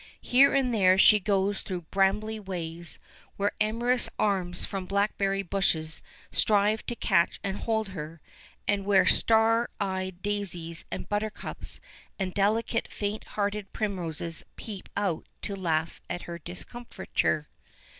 Here and there she goes through brambly ways, where amorous arms from blackberry bushes strive to catch and hold her, and where star eyed daisies and buttercups and delicate faint hearted primroses peep out to laugh at her discomfiture.